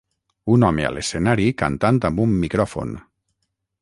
un home a l'escenari cantant amb un micròfon.